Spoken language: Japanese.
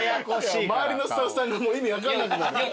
周りのスタッフさんが意味分かんなくなる。